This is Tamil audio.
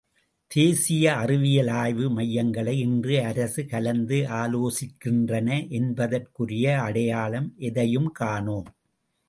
தேசிய அறிவியல் ஆய்வு மையங்களை இன்று அரசு கலந்து ஆலோசிக்கின்றன என்பதற்குரிய அடையாளம் எதையும் காணோம்.